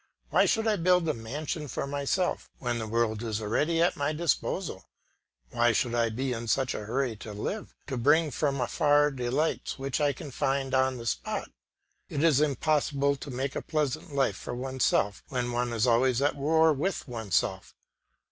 Why should I build a mansion for myself when the world is already at my disposal? Why should I be in such a hurry to live, to bring from afar delights which I can find on the spot? It is impossible to make a pleasant life for oneself when one is always at war with oneself.